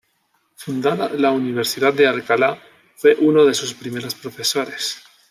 Fundada la Universidad de Alcalá, fue uno de sus primeros profesores.